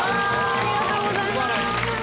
ありがとうございます。